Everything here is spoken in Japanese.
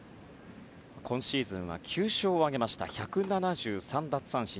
今シーズンは９勝を挙げまして１７３奪三振。